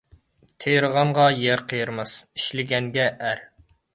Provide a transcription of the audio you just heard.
تېرىغانغا يەر قېرىماس، ئىشلىگەنگە ئەر.